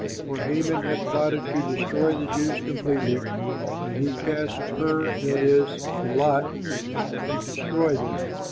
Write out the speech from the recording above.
For Haman had plotted to destroy the Jews completely, and he cast pur, that is, the lot, to destroy them.